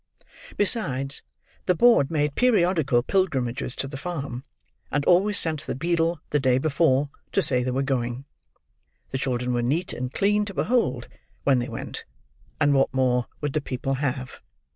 Besides, the board made periodical pilgrimages to the farm, and always sent the beadle the day before, to say they were going. The children were neat and clean to behold, when they went; and what more would the people have!